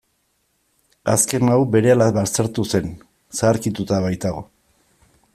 Azken hau berehala baztertu zen, zaharkituta baitago.